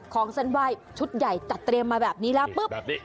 ของเส้นไหว้ชุดใหญ่จัดเตรียมมาแบบนี้แล้วปุ๊บ